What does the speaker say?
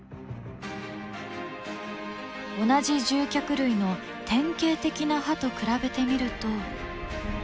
同じ獣脚類の典型的な歯と比べてみると。